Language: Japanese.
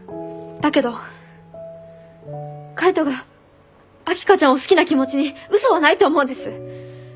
だけど海斗が秋香ちゃんを好きな気持ちに嘘はないと思うんです。